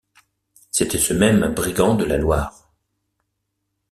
C’était ce même brigand de la Loire.